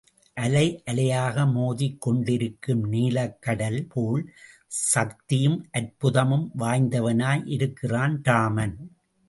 அலை அலையாக மோதிக் கொண்டிருக்கும் நீலக்கடல் போல் சக்தியும் அற்புதமும் வாய்ந்தவனாய் இருக்கிறான் ராமன்.